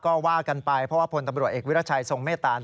ก็ว่ากันไปเพราะว่าพลตำรวจเอกวิรัชัยทรงเมตตา